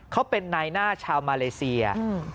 เขาเป็นไนน่าชาวมาเลเซีย